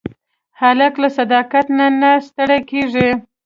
هلک له صداقت نه نه ستړی کېږي.